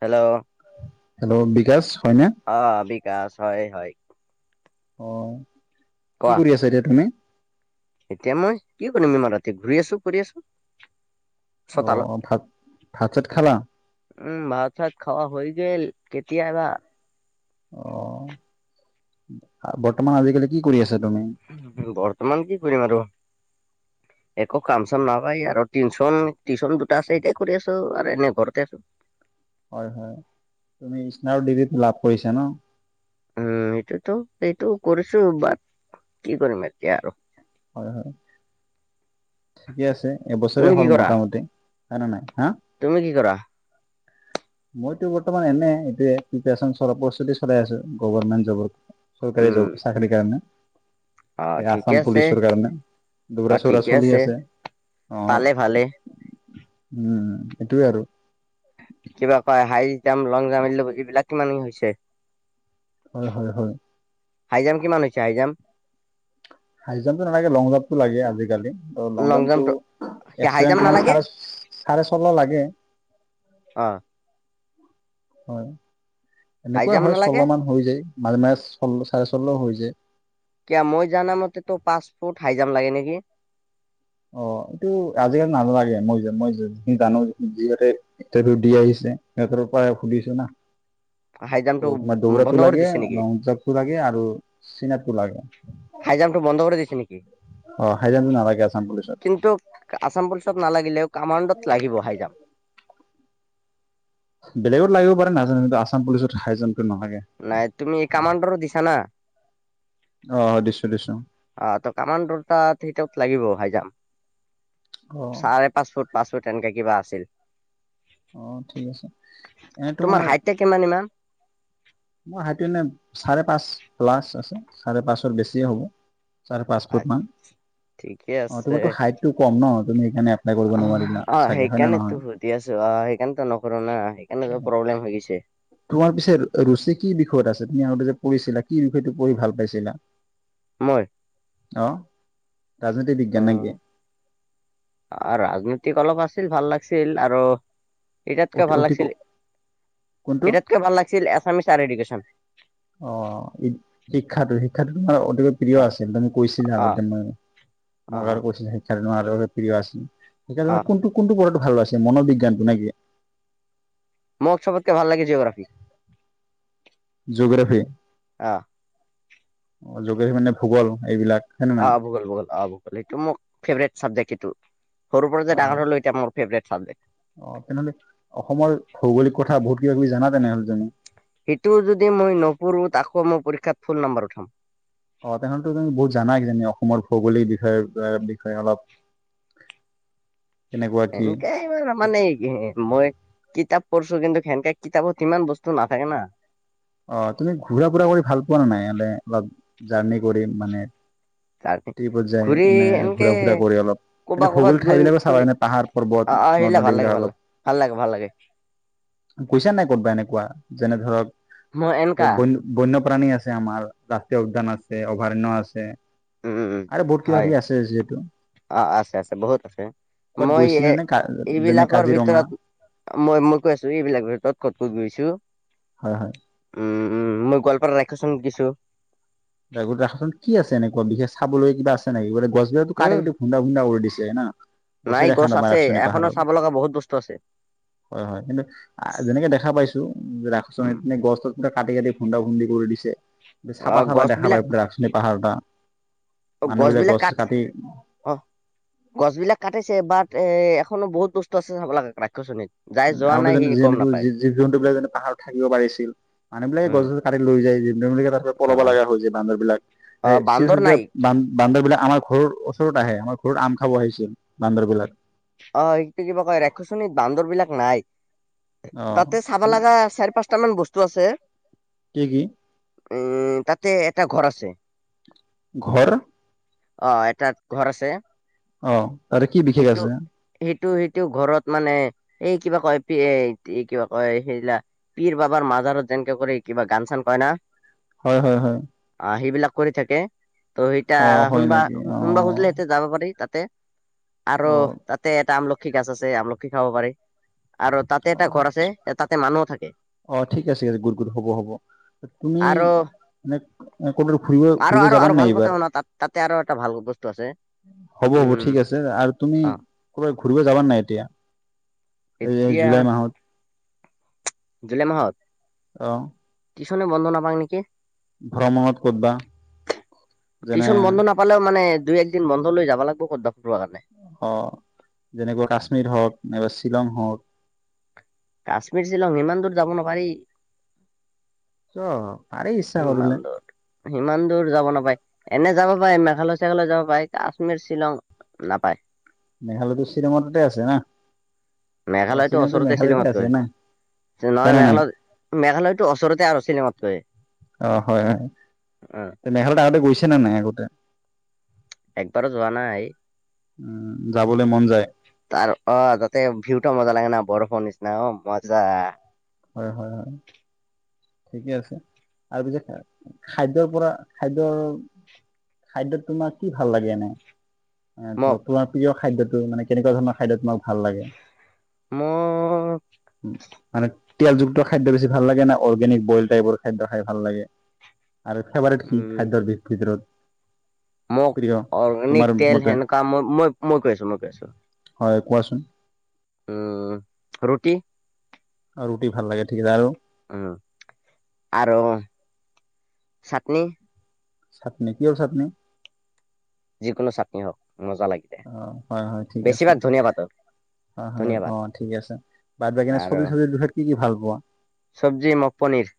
Hello hello Bikash হয়নে? অ বিকাশ হয় হয়। অ কি কোৱা কৰি আছা এতিয়া তুমি? এতিয়া মই কি কৰিম ইমাৰ ৰাতি ঘূৰি আছো, ফুৰি আছো, অ' ভাত ভাত চাত খালা? চতালত উম ভাত চাত খোৱা হৈ গেল। কেতিয়াবা। অ বৰ্তমান আজিকালি কি কৰি আছে? বৰ্তমান কি কৰিম আৰু [inaudible] একো কাম চাম নাপায় আৰু টিউশচন টিউশচন দুটা আছে এটাই কৰি আছো আৰু এনে ঘৰতে আছো। হয় হয় তুমি স্নাতক ডিগ্ৰী লাভ কৰিছা ন? উম সেইটোতো এইটো কৰিছো বাট কি কৰিম এতিয়া আৰু। হয় হয়। ঠিকে আছে তুমি এবছৰে কি হ'ল কৰা মোটামুটি হয়ে ন নাই হা? তুমি কি কৰা? মইতো বৰ্তমান এনে এইটোয়ে প্ৰিপেচন চলাই আছো গভমেন্ট জবৰ চৰকাৰী উম জপ চাকৰি কাৰণে। অ এই আছাম ঠিকে আছে, পুলিচৰ কাৰণে অ দৌৰা চৌৰা ঠিকে চলি আছে। অ' পালে ভালে। উম এইটোয়ে আৰু। কিবা কয় হাই জাম্প লং জাম্প এইবিলাক কিমান হৈছে হয় হয় হয়। হাইজাম কিমান হৈছে হাইজাম? হাই জাম্পটো নালাগে, লং জাম্পটো লাগে আজিকালি। আৰু লং জাম্পটো হাই জাম্প নালাগে [unintelligible] লাগে। অ হয় হাই এনেকুৱা জাম্প হয় নালাগে ছল্ল মান হৈ যায়। মাজে মাজে ষল্ল চাৰে ষোল্ল হৈ যায়। কিয় মই জানামতে তো পাঁচ ফুট হাইজাম লাগে নেকি? অ এইটো আজিকালি নাজালাগে মই যে মই যিখিনি জানো যিতে ইণ্টাৰভিউ দি আহিছো মেট্ৰৰ পৰা সুধিছো না। হাই জাম্পটো ত তোমাৰ বন্ধ দৌৰাটো কৰি লাগে, দিছে নেকি লং জাপটো লাগে, আৰু চিন আপটো লাগে। হাইজাম্পটো বন্ধ কৰি দিছে নেকি? অ হাই জাম্পটো নালাগে আছাম পুলিচত কিন্তু আছাম পুলি চত নালাগে। লেও কামাণ্ডত লাগিব হাই জাম্প। বেলেগত লাগিব পাৰে নাজানো কিন্তু আচাম পুলিচত হাই জাম্প নাই তুমি কামাণ্ডৰো দিছা না? অ দিছো দিছো। অ ত কামানদৰ তাত সেইটোত লাগিব হাই অ জাম্পা চাৰে পাঁচ ফুট। পাছ ফুট তেনেকা কিবা আছিল। অ ঠিক আছে এনে তোমাৰ হাইটটা কিমান ইমান মোৰ হাইটো এনে চাৰে পাঁচ প্লাছ আছে চাৰে পাঁচৰ বেছিয়ে হ'ব। চাৰে পাঁচ ফুট মান। ঠিকে অ আছে তোমাৰো হাইটো কম ন? তুমি সেইকাৰণে এপ্লাই কৰিব অ নোৱাৰিলা অ চাগে হয় নে নহয়? সেইকাৰণেতো সুধি আছো অ সেইকাৰণেতো নকৰো না সেইকাৰণে প্ৰব্লেম লিছে। তোমাৰ পিছে ৰুচি কি বিষয়ত আছে তুমি আগতে যে পঢ়িছিলা কি বিষয়টো পঢ়ি ভাল পাইছিলা? মই আহ ৰাজনীতি বিজ্ঞান নেকি? টিক অলপ আছিল ভাল লাগিছিল আৰু এটাইতকে অতি ভাল অতি লাগছিল, কোনটো এটাইতকে ভাল লাগছিল এছামিছ আৰু এডুকেশ্যন। অ, শিক্ষাটো শিক্ষা তোমাৰ মোৰ প্ৰিয় অ আছিল। তেওঁ মানে কৈছিলে অ আগতে মই অ মোৰ আৰু কৈছিল সেইকাৰনেই আৰু প্ৰিয় আছিল। অ সেইকাৰণে কোনটো কোনটো পঢ়াটো ভাল আছে, মনোবিজ্ঞানটো নে কি? মোক চবতকে ভাল লাগে জ'গ্ৰাফি। জ'গ্ৰাফী, জ'গ্ৰাফী মানে ভূগল এইবিলাক হয়নে নাই আহ ভূগোল, ভূগোল আহ ভূগোল এইটো মোক ফেভৰেট চাবজেক্ট এইটো। হয়, হয়। চাবজেক্ট অ, তেনেহ'লে অসমৰ ভৌগলিক কথা বহুত কিবা কিবি জানা তেনেহ'লে তুমি সেইটো যদি মই নকৰো আকৌ মই পৰীক্ষাত ফুল নম্বৰ উঠাম। অ, তেনেহ'লেতো বহুত জানাই কি জানি অসমৰ ভৌগোলিক বিষয়ে বিষয়ে অলপ? [unintelligible] কি এনেকে ই মানে মই কিতাপ পঢ়ছো কিন্তু হেনতেকে কিতাপত কিমান বস্তু নাথাকে না। অ তুমি ঘূৰা ফুৰা কৰি ভাল পোৱা নে নাই এনে অলপ জাৰ্ণি কৰিম মানে তাৰ ট্ৰিপত যায়, ঘূৰি মানে এনেকে ঘুৰা-ফুৰা কৰে অলপ। এ, ক'বা ক'বাত ভূগোল গৈ ঠাইবিলাকো চাব ফুৰি যোননে পাহাৰ অ পৰ্বত নদ আহিলে ভাল লাগে নদীবিলাক ভাল লাগে ভাল লাগে ভাল লাগে অলপ। কৈছা নাই ক'তবা এনেকুৱা যেনে মোৰ এনকা ধৰক বন্য বন্য প্ৰাণী আছে, আমাৰ জাতীয় উদ্যান আছে, অভয়াৰণ্য আছে। উম উম আৰু বহুত কিব- হয় কিবি আছে যিহেতু। অ, আছে-আছে বহুত আছে। ক'বাত মই গৈছিলা নে কা যেনে এইবিলাকৰ কাজিৰঙা ভিতৰত মই মই কৈ আছো এইবিলাক [unintelligible] ক'ত ক'ত গৈছো হয়, হয়। উম, উম মই গোৱালপাৰাত [unintelligible] [unintelligible] কি আছে এনেকুৱা বিশেষ চাবলৈ কিবা আছে নে কি? গছ বিলাকটো কাটি উম কাটি কুটি ভুন্দাুন্দা কৰি দিছে। বচি নাই দেখা গছ আছে [unintelligible] এই এখনো পাহাৰত। চাব লগা বহুত বস্তু আছে হয়, হয় কিন্তু যেনেকে দেখা পাইছো ৰাখচোন উম গছ তত পোৰা কাটি কাটি খুন্দা- খুন্দি কৰি দিছে। অ চাফা-চাফা গছ দেখা পায় পোৰা ৰাচনি পাহাৰটা। অ, গছ বিলাক কাটি অ গছ বিলাক কাটিছে বাট এ এখনো বহুত বস্তু আছে চাব লাগে ৰাাকক্ষচনীত। আগতে যেনেকৈ জীৱ জন্তুবিলাক যে পাহাৰত থাকিব পাৰিছিল। মানুহবিলাকে গছ উম চছ কাটি লৈ যায় বান্দৰ বিলাকে তাত অ পলাব অ লগা হৈ যে বান্দৰ বিলাক অ এ বান্দৰ নাই শ্ৰীসূযত বান বান্দৰ বিলাক আমাৰ ঘৰৰ ওচৰত আহে। আমাৰ ঘৰত আম খাব আহিছিল বান্দৰ বিলাক। অ সেইটো কিবা কয় ৰাক্ষসনীত বান্দৰ বিলাক নাই অ তাতে চাব লগা চাৰি পাঁচটামান বস্তু আছে কি কি? উম, তাতে এটা ঘৰ আছে। ঘৰ? অ, এটা ঘৰ আছে। অ, আৰু কি বিশেষ আছে? সটো সেইটো ঘৰত মানে এই কিবা কয় এ কিবা কয় সেইলা পীৰ বাবাৰ মাত বজাৰত যেনকে কৰি কিবা গান চান কয় না? হয়, হয়, হয়। আহ সেইবিলাক কৰি থাকে ত' সেইতা অ হয় শুনবা নেকি অ শুনবা খুজিলে সেতে যাব পাৰি তাতে। আৰু অ তাতে এটা আমলখি গাছ আছে, আমলখি খাব পাৰি। আৰু তাতে এটা ঘৰ আছে তাতে মানুহ থাকে। অ, ঠিক আছে ঠিক আছে গুড, গুড হ'ব হ'ব। তুমি আৰু মানে ক'ত ফুৰিব আৰু ফুৰিব আৰু যাবান আৰু নাই ভাল কথা এইবাৰ? শুনা তাত তাতে আৰু এটা ভাল বস্তু আছে হ'ব, হ'ব উম ঠিক আছে। আৰু তুমি অ ক'ৰবাত ঘূৰিব যাবা নাই এতিয়া? এই এতিয়া জুলাই মাহত? জুলাই মাহত? অহ। টিউচন বন্ধ নাপওঁ নেকি। ভ্ৰমণত ক'ত বা? টিউচন বন্ধ নাপালে মানে দুই, এক দিন বন্ধ লৈ যাব লাগিব কৰবাত ফূৰিব কাৰণে। অ যেনেকুৱা কাশ্মীৰ হওঁক নাইবা শ্বিলং হওঁক। কাশ্মীৰ, শ্বিলং ইমান দূৰ যাব নোৱাৰি। অঁ পাৰি ইচ্ছা ইমান কৰিলে। দূৰ সিমান দূৰ যাব নাপায়। এনেই যাব পাৰে মেঘালয়-চেঘালয় যাব পাৰে কাশ্মীৰ, শ্বিলং শুনা পায়। মেঘালয় টো চিলংঙতে আছে না? অ মেঘালয় টো শ্বিলংতো ওচৰতে মেঘালয়তে ছিলংত আছে না হয়। হয় নহয় নে নাই মেঘালয়ত মেঘালয় টো ওচৰতে আৰু চিলংঙতে হয়। অঁ হয় হয়। মেঘালয়ত আগতে গৈছে নে নাই আগতে? বাৰু যোৱা নাই। উম' যাবলৈ মন যায়। তাৰ অ তা'তে ভিউটো মজা লাগে না বৰফৰ নিচিনা অঁ মজা। হয় হয় হয়। ঠিকে আছে। আৰু পিছে খাদ্য পৰা খাদ্যৰ খাদ্যত তোমাৰ কি ভাল লাগে এনেই? মোক তোমাৰ প্ৰিয় খাদ্য তো মানে কেনেকুৱা ধৰণৰ খাদ্য তোমাৰ ভাল লাগে? মোক মানে- তেল যুক্ত খাদ্য বেছি ভাল লাগে নে অৰ্গেনিক বইল টাইপৰ খাদ্য খাই ভাল লাগে। আৰু ফেভেৰেট কি উম খাদ্যৰ ভিতৰত? মোক প্ৰিয়? তোমাৰ অৰ্গেনিক তেল মতে সেনেকোৱা মই মই মই কৈ আছো মই কৈছো। হয় কোৱাচোন? উম' ৰুটি। আৰু ৰুটি ভাল লাগে ঠিক আছে। আৰু? আৰু চাটনি। চাটনি। কিহৰ চাটনি? যিকোনো চাটনি আৰু। অ' হয় হয় ঠিক আছে। ধনিয়া পাতৰ হয় হয় ধনিয়া পাত অ' ঠিক আছে। বাদ কিয়নো আৰু চব্জি চব্জি কি কি ভাল পোৱা? চব্জি মই পনীৰ।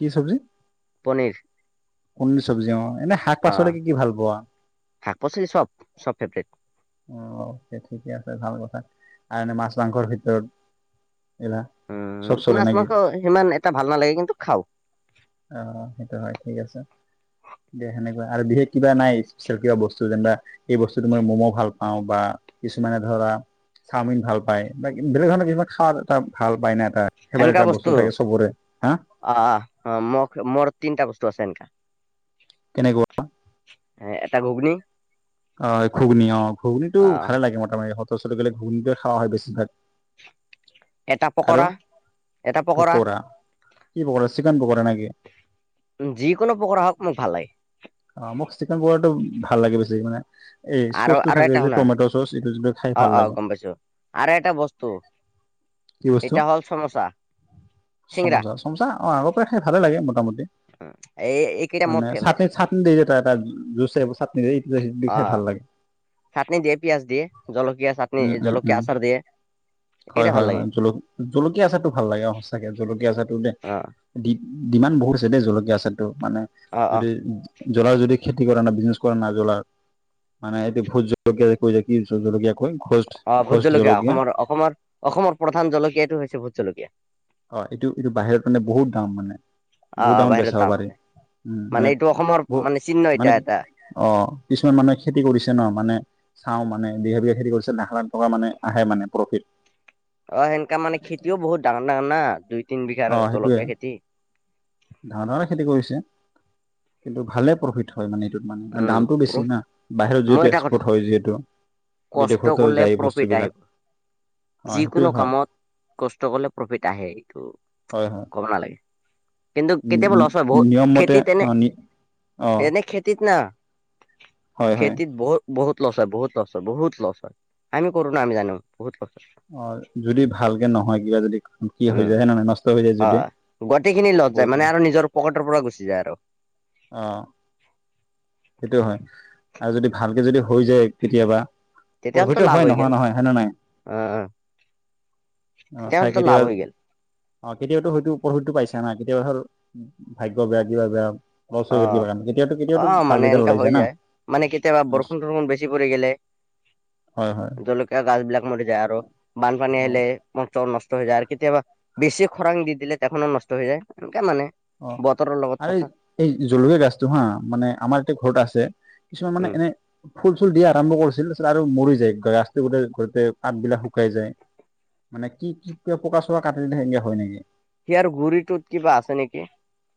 কি' চব্জি- পনীৰ চব্জি অঁ। এনেই শাক-পাচলি কি কি ভাল পোৱা? শাক-পাচলি চব চব ফেভেৰেট। অ ঠিকে আছে ভাল কথা। আৰু এনে মাছ, মাংসৰ ভিতৰত? এইলা উম' চব চলে মাছ নেকি মাংস সিমান এটা ভাল নালাগে কিন্তু খাওঁ। অ সেইটো হয় ঠিক আছে। বিশেষ সেনেকুৱা আৰু বিশেষ কিবা নাই স্পেচিয়েল কিবা বস্তু যেনিবা এই বস্তুতো মই ম'ম' ভাল পাওঁ বা- কিছুমানে ধৰা চাওমিন ভাল পায় বা বেলেগ ধৰণৰ কিছুমান খাদ্য এটা ভাল পায় ন'? সেনেকা বস্ত আঁহ অ - মোৰ তিনিটা বস্তু আছে এনেকুৱা। কেনেকুৱা? এটা ঘুগুনী। অ ঘুগুনী অঁ ঘুগুনীতো আহ ভালে লাগে মোটামুতি হোটেল-চোটেল গলে ঘুগুনী য়ে খোৱা হয় বেছিভাগ। এটা [unintelligible] আৰু পকৰা পকৰা। কি' পকৰা চিকেন পকৰা নেকি? যিকোনো পকৰা হওক মোক ভাল লাগে অ মোক চিকেন পকৰা টো ভাল লাগে বেছি মানে। এই আৰু চচটো আৰু থাকে এটা যে শুনা? টমেট' চচ এইটো যোনটো খাই অ ভাল অ লাগে গম পাইছো। আৰু এটা বস্তু। কি বস্তু সেইটা হ'ল চমচা। চমোচা চমোচা অ' আগৰ পৰাই খাই ভালে লাগে মোটামুটি এই এইকেইটা মোৰ মানে ফেভৰেট চাটনি চাটনি দেই যে এটা এটা জুচ চাটনি খাই অ ভাল লাগে চাটনি দিয়ে, পিয়াঁজ দিয়ে, জলকীয়া চাটনি উম উম উম জলকীয়া আচাৰ দিয়ে। হয় এইকেইটা ভাল হয় হয়। লাগে জল - জলকীয়া আচাৰটো ভাল লাগে‌, অ সঁচাকে জলকীয়া আচাৰ টোদে, অ দি - দিমান্ড বহুত আছে দে জলকীয়া আচাৰটো মানে অ অ যদি জ্বলাৰ যদি খেতি কৰা না বিজনেছ কৰা না জ্বলাৰ মানে এতিয়া ভোট জলকীয়া কৈ যে কি জলকীয়া কয় ঘোষ্ট অ' ভোট ঘোষ্ট জলকীয়া অসমৰ অসমৰ অসমৰ প্ৰধান জলকীয়াটো হৈছে ভোট জলকীয়া। অ' এইটো এইটো বাহিৰত মানে বহুত দাম মানে। অ বহুত অ দামত বাহিৰত বেচাব দাম পাৰি উ মানে এইটো অসমৰ বহু মানে চিহ্ন এটা মানে এটা অ'। কিছুমান মানুহে খেতি কৰিছে ন মানে চাওঁ মানে বিঘা বিঘা খেতি কৰিছে লাখ লাখ টকা মানে আহে মানে প্ৰফিট। অ' সেনকা মানে খেতিও বহুত ডাঙাৰ ডাঙাৰ না দুই তিন বিঘাৰ অহ সেইটোৱে, জলকীয়া খেতি ধা ধাৰে খেতি কৰিছে। কিন্তু ভালে প্ৰফিট হয় মানে। মানে আৰু উম দামটো প্ৰ বেছি না বাহিৰত মই যিহেতু এটা কথা এক্সপৰ্ট হয় যিহেতু কষ্ট বিদেশতো কৰিলে যায় প্ৰফিট আহিব বস্তুবিলাক অ যিকোনো সেইটোয়ে হয় কামত কষ্ট কৰিলে প্ৰফিট আহে এইটো। হয় হয়। ক'ব নালাগে কিন্তু কেতিয়াবা লছ হয় বহুত নিয়ম মতে খেতিত এনে অ নি অ এনে খেত না, হয় হয় খেতিত বহুত বহুত লছ হয় বহুত লছ হয় বহুত লছ হয়, আমি কৰো না আমি জানো। বহুত লছ হয় অ' যদি ভালকে নহয় কিবা যদি কি হৈ উম, যায় হয় নে নহয় নষ্ট হৈ যায় যদি অ', গটেখিনি লছ যায় বহুত মানে আৰু নিজৰ পকেটৰ পৰা গুছি জি যায় আৰু'। অ'। সেইটো হয়, আৰু যদি ভালকে যদি হৈ যায় কেতিয়াবা তেতিয়াহ'লেতো প্ৰফিটো লাভ হয় হৈ নোহোৱা গ'ল নহয় হয় না নাই? অ অ। অ' চাই তেতিয়াহ'লেতো লাভ কেতিয়াবা, হৈ গ'ল অ' কেতিয়াবাতো হয়তো প্ৰফিটো পাইছ নহয় কেতিয়াবা ধৰ, ভাগ্য বেয়া কিবা বেয়া লছ হৈ অ কিবা কানে কেতিয়াতো অ কেতিয়াতো ভাল মানে ৰিজাল্ট এনকা ওলাইছে হৈ না যায়, মানে কেতিয়াবা বৰষুণ থৰষুণ বেছি পৰি গেলে হয় হয় জলকীয়া গাছ বিলাক মৰি যায় আৰু, বানপানী অ আহিলে নষ্ট- নষ্ট ট হৈ যায় আৰু কেতিয়াবা বেছি খৰাং দি দিলে তেখনো নষ্ট হৈ যায়, এনুকে মানে। অ বতৰৰ লগত আৰু কথা। এই জলকীয়া গাছটো হা মানে আমাৰ এতে ঘৰত আছে কিছুমান মানে উম এনে ফুল- চুল দিয়া আৰম্ভ কৰিছিল পিছত আৰু মৰি যায় গাছটো গোতে ঘৰতে পাতবিলাক শুকাই যায়। মানে কি কি কিবা পোকা চোকা কাটি দিলেহে এনেকা হয় নেকি? সিয়াৰ গুৰিটোত কিবা আছে নেকি?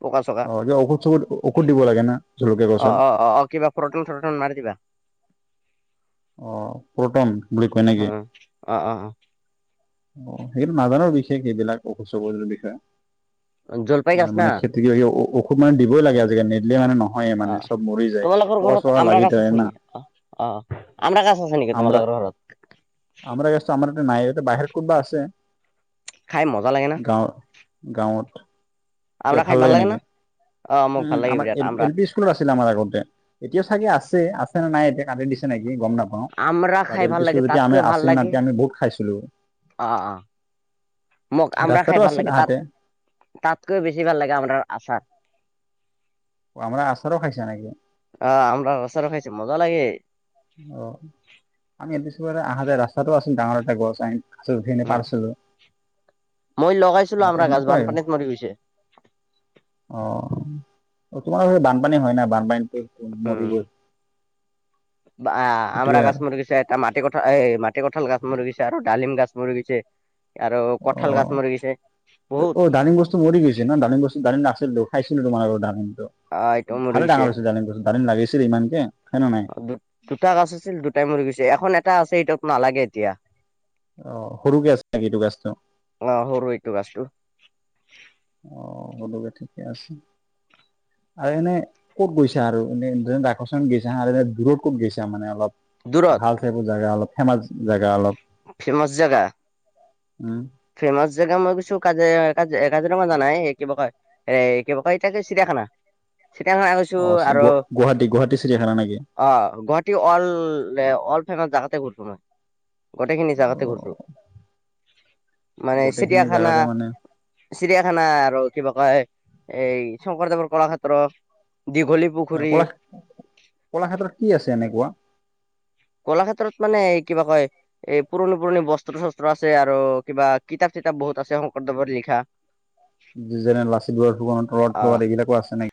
পকা চকা। অ কিবা ঔষধ চৌষধ ঔষধ দিব লাগে না জলকীয়া অ' গছত অ' অ' কিবা প্ৰটন থ্ৰতন মাৰি দিবা। [inaudible] আহ প্ৰটন বুলি কয় অ নেকি? অ অ অ' সেইটো নাজানো বিশেষ এইবিলাক ঔষধ সৌষদৰ বিষয়ে। জলপাই অ গাছ না মানে খেতি কিবা কিবি ঔষুধ মানে দিবই লাগে আজি কাৰনে। অ, তোমালোকৰ পোকা ঘৰত চোকা আমৰা লাগি গাছ ধৰে আছে না নেকি? অ অ আমৰা গাছ আছে নে নেকি তোমালোকৰ ঘৰত? আমাৰা গাছটো আমাৰ নাই এয়াতে বাহিৰত ক'তবা আছে খাই মজা লাগে না গাঁৱত - গাঁৱত। আমৰা খাই ভাল লাগে না? অ মোক উম ভাল লাগে আমাৰ বিৰাট এল আমৰা -এল পি স্কুলত আছিল আমাৰ আগতে, এতিয়াও চাগে আছে। নাই এতিয়া কাটি দিছো নেকি? গম নাপাও আমৰা বা খাই ভাল লাগে তেলপিচু যেতিয়া তাতকৈ আমি ভাল আছিল না লাগে তেতিয়া আমি বহুত খাইছিলো। অ অ। মোক আমৰা খাই ৰাস্তাটো ভাল আছিল লাগে তাত, আহাতে তাতকৈও বেছি ভাল লাগে আমৰা আচাৰ। আমাৰ আচাৰো খাইছা নেকি আহ আম তাত আছে নহয় ছে মজা লাগে। অ আমি এল পি স্কুলত চখিনি উ পাৰছিলো মই লগাইছিলো সিহতে আমৰা গাছ সেনেকুৱাই বানপানীত মৰি গৈছে অহ। তোমাৰ সেই বানপানী হয় নাই বানপানীতো মৰিবই। বা সেইটোৱে আমৰা গাছ আৰু মুৰ্গী চ এটা মাটি এ মাটি কঁঠাল গাছ মৰু গিছে আৰু ডালিম গাছ মৰি গিছে। অ বহুত অ ডালিম গছটো মৰি গৈছে ন, ডালিম গছটো ডালিম নাচ ছিলো, খাইছিলো তোমাৰ আৰু ডালিমটো, আ এইটো মৰি ভালে গৈছে ডাঙৰ হৈছিল, ডালিমটো ডালিম লাগিছিল ইমানকে হয় নে নাই অ দু -দুটা গছ আছিল দুটাই মৰি গৈছে, এখন এটা আছে সেইটোত নালাগে এতিয়া। অ সৰুকে আছে নেকি এইটো গাছটো অ সৰু এইটো গছটো। অ হ'লে ঠিকে আছে। আৰু এনে ক'ত গৈছা আৰু এনে ৰাকচন গৈছা হা আৰু এনে দূৰত ক'ত গৈছা মানে অলপ? দূৰত ভাল চাই জেগা অলপ, ফেমাচ জেগা অলপ। ফেমাচ জেগা? উম। ফেমাচ জেগা মই কিছু কাজ কাজিৰঙা জানাই সেই কিবা কয়, সেই কিবা কয় এতিয়া চিৰিয়াখানা খেনা চিতিয়াখনা [unintelligible] গৈছো অ আৰ গুৱাহাটী গুৱাহাটী চিৰিয়াখানা নেকি অ গুৱাহাটী অল- লে অল ফেমাচ জোগাতে গৈছো মই, গোটেইখিনি অ জেগাতে গৈছো। মানে গোটেইখিনি চিৰিয়াখানা জাগাতে মানে চিৰিয়াখানা আৰু কিবা ক এই শংকৰদেৱৰ কলাক্ষেত্ৰ, দীঘলী পুখুৰী কল কলাক্ষেত্ৰত কি আছে এনেকুৱা? কলাক্ষেত্ৰত মানে কিবা কয়, এই পুৰণি পুৰণি বস্ত্ৰ শস্ত্ৰ আছে আৰু কিবা কিতাপ- কিতাপ বহুত আছে শংকৰদেৱৰ লিখা। যেনে লাচিত বৰফুকনৰ তলত আহ তলত এইবিলাকো আছে নেকি?